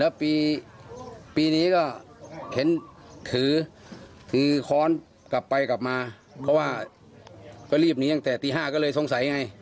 แล้วปีนี้ก็เห็นถือค้อนกลับไปกลับมาเพราะว่าก็รีบหนีตั้งแต่ตี๕ก็เลยสงสัยไง